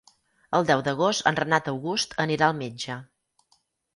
El deu d'agost en Renat August anirà al metge.